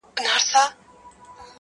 له پردیو پسرلیو خپل بهار ته غزل لیکم -